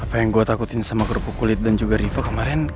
apa yang gue takutin sama kerupuk kulit dan juga riva kemarin